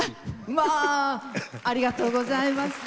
まあありがとうございます。